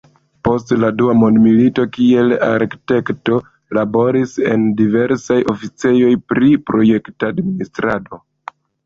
Post la dua mondmilito kiel arkitekto laboris en diversaj oficejoj pri projekt-administrado.